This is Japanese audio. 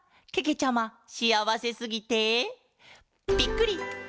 けけちゃましあわせすぎて「ぴっくり！